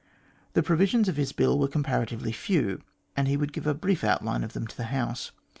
The provisions of his Bill were comparatively few, and he would give a brief outline of them to the House.